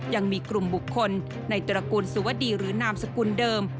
ยังมีกลุ่มบุคคลในตระกูลสุวดีหรือนามสกุลเดิม